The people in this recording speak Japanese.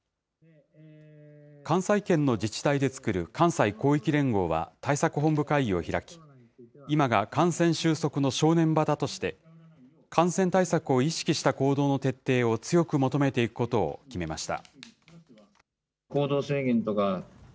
関西圏の自治体で作る関西広域連合は対策本部会議を開き、今が感染収束の正念場だとして、感染対策を意識した行動の徹底を強く求めていくことを決めました。